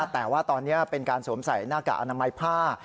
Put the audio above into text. แต่ว่าตอนนี้เป็นการสวมใส่หน้ากากอนามัยผ้า